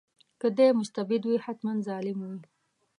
که دی مستبد وي حتماً ظالم وي.